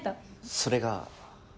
それが。